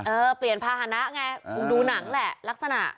เออเปลี่ยนภาษณะไงคงดูหนังแหละลักษณะ